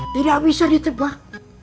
tidak bisa ditebak